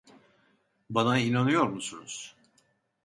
Bana inanıyor musunuz?